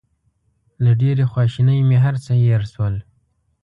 له ډېرې خواشینۍ مې هر څه هېر شول.